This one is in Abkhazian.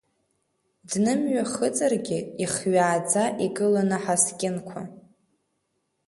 Днымҩахыҵыргьы ихҩааӡа игылан аҳаскьынқәа.